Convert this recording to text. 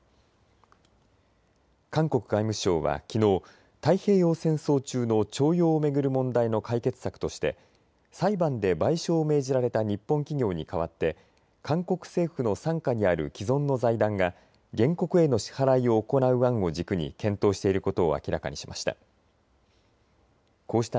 韓国外務省はきのう、太平洋戦争中の徴用を巡る問題の解決策として裁判で賠償を命じられた日本企業に代わって韓国政府の傘下にある既存の財団が原告への支払いを行う案を軸に検討していることを明らかにしました。